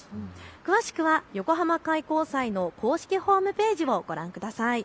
詳しくは横浜開港祭の公式ホームページをご覧ください。